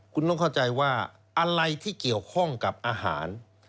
คุณต้องเข้าใจว่าอะไรที่เกี่ยวข้องกับอาหาร